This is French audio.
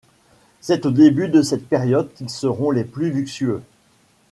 C’est au début de cette période qu’ils seront les plus luxueux.